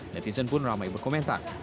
netizen pun ramai berkomentar